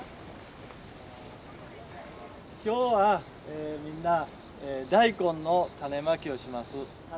今日はみんな大根の種まきをします。